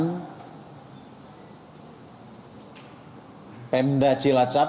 jajaran pemda cilacap